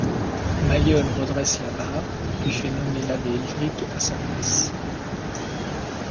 Mayeul redresse la barre puis fait nommer l'abbé Heldric à sa place.